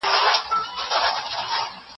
د ګاونډیانو حقونو ته پام وکړئ.